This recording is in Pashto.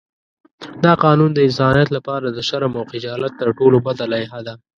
دا قانون د انسانیت لپاره د شرم او خجالت تر ټولو بده لایحه ده.